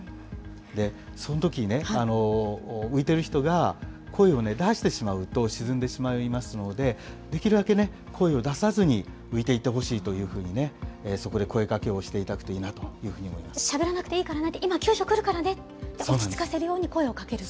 そのときに浮いてる人が声を出してしまうと沈んでしまいますので、できるだけね、声を出さずに浮いていてほしいというふうにそこで声かけをしていしゃべらなくていいからね、今、救助来るからねって、落ち着かせるように声をかけると。